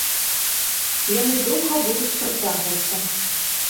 Яны доўга будуць працягвацца.